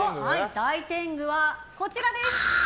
大天狗は、こちらです。